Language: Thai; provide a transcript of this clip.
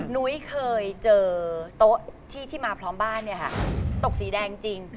นุ้ยเคยเจอโต๊ะที่มาพร้อมบ้านตกสีแดงจริง